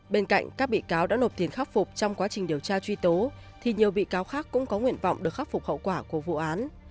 bên cạnh các bị cáo đã nộp tiền khắc phục trong quá trình điều tra truy tố thì nhiều bị cáo khác cũng có nguyện vọng được khắc phục hậu quả của vụ án